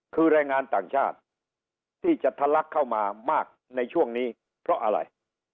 คือแรงงานต่างชาติที่จะทะลักเข้ามามากในช่วงนี้เพราะอะไร